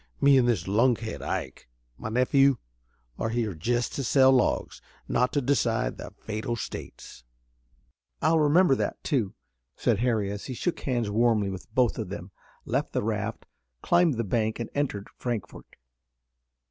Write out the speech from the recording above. Me an' this lunkhead, Ike, my nephew, are here jest to sell logs, not to decide the fate o' states." "I'll remember that, too," said Harry, as he shook hands warmly with both of them, left the raft, climbed the bank and entered Frankfort.